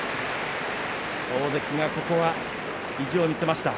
大関がここは意地を見せました。